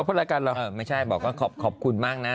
พูดรายการเราไม่ใช่บอกว่าขอบคุณมากนะ